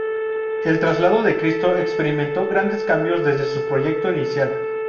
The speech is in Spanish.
El "Traslado de Cristo" experimentó grandes cambios desde su proyecto inicial.